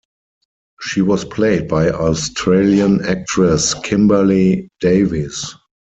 She was played by Australian actress Kimberley Davies.